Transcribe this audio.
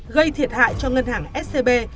gây thiệt hại cho ngân hàng scb